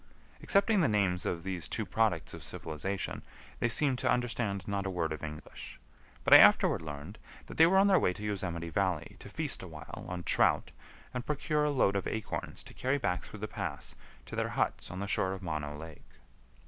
Excepting the names of these two products of civilization, they seemed to understand not a word of English; but I afterward learned that they were on their way to Yosemite Valley to feast awhile on trout and procure a load of acorns to carry back through the pass to their huts on the shore of Mono Lake.